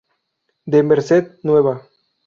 De merced nueva.